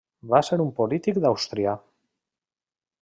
Va ser un polític d'Àustria.